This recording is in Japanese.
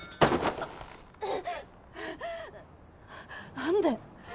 何で？